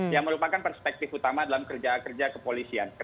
yang merupakan perspektif utama dalam kerja kerja kepolisian